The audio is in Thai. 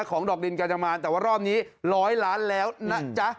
ของดอกดินกาญจมานแต่ว่ารอบนี้ร้อยล้านแล้วนะจ๊ะ